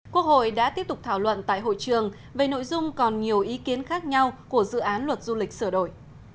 quốc hội đã tiếp tục thảo luận tại hội trường về nội dung còn nhiều ý kiến khác nhau của dự án luật du lịch sửa đổi